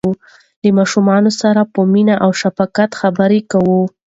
له ماشومانو سره په مینه او شفقت خبرې کوئ.